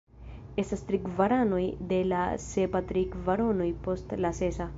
Estas tri kvaronoj de la sepa tri kvaronoj post la sesa.